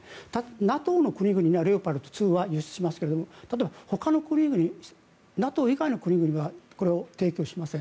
ＮＡＴＯの国々にはレオパルト２は輸出しますが例えば、ほかの国々ＮＡＴＯ以外の国々にはこれを提供しません。